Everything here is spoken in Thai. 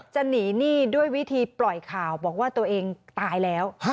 จะหนีหนี้ด้วยวิธีปล่อยข่าวบอกว่าตัวเองตายแล้ว